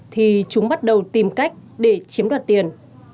thì chúng bắt đầu tìm cách để chiếm đoạt tiền